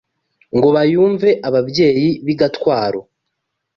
Ngo bayumve ababyeyi b’i Gatwaro